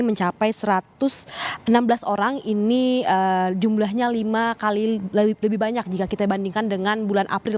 mencapai satu ratus enam belas orang ini jumlahnya lima kali lebih banyak jika kita bandingkan dengan bulan april